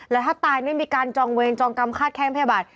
แล้วถ้าตายไม่มีการจองเวรจองกรรมคาดแข้งพยาบาล